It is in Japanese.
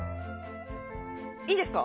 いいですか？